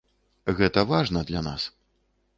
Гэта важна для нас.